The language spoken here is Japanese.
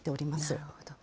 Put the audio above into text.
なるほど。